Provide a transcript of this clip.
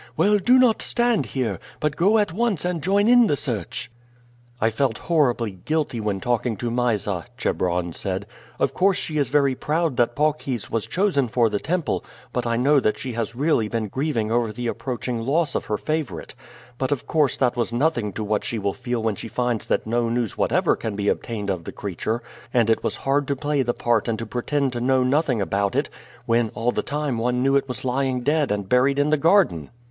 Well, do not stand here, but go at once and join in the search." "I felt horribly guilty when talking to Mysa," Chebron said. "Of course she is very proud that Paucis was chosen for the temple, but I know that she has really been grieving over the approaching loss of her favorite. But of course that was nothing to what she will feel when she finds that no news whatever can be obtained of the creature; and it was hard to play the part and to pretend to know nothing about it, when all the time one knew it was lying dead and buried in the garden."